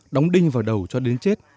đóng đinh vào đầu cho đến chết